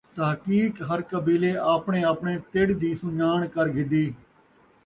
تحقیق ہر قبیلے آپڑیں آپڑیں تِڑ دی سُنّڄاݨ کر گِھدی،